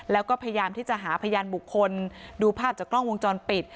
แล้วก็พยายามที่จะหาพยานบุคคลดูภาพจากกล้องวงจรปิด